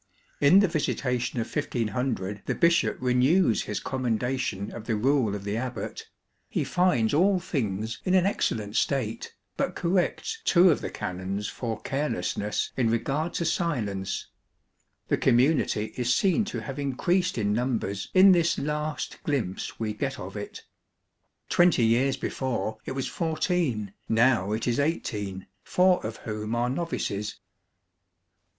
In the visita THE GREATER ABBEYS tion of 1500 the bishop renews his commendation of the rule of the abbot; he finds all things in an excellent state, but corrects two of the canons for carelessness in regard to silence. The community is seen to have increased in numbers in this last glimpse we get of it. Twenty years before it was fourteen, row it Is eighteen, four of whom are novices.